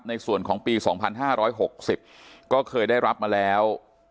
ในส่วนของปีสองพันห้าร้อยหกสิบก็เคยได้รับมาแล้ว